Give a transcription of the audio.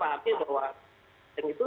karena silahkan kata kata itu